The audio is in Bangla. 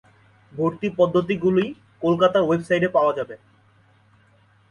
ভর্তি পদ্ধতিগুলি কলকাতার ওয়েবসাইটে পাওয়া যাবে।